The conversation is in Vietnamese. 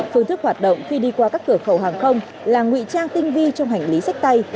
phương thức hoạt động khi đi qua các cửa khẩu hàng không là nguy trang tinh vi trong hành lý sách tay